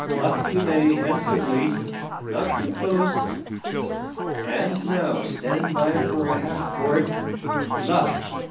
luff you may, handsomely; not too close! And now stand by for a half board! Luff!